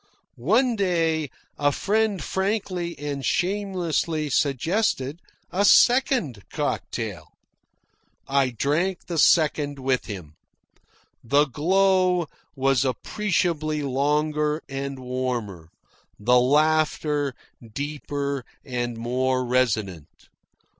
One day, a friend frankly and shamelessly suggested a second cocktail. I drank the second one with him. The glow was appreciably longer and warmer, the laughter deeper and more resonant.